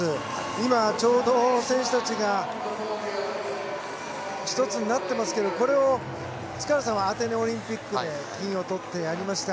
今、ちょうど選手たちが１つになっていますけどもこれを塚原さんはアテネオリンピックで金をとって、やりました。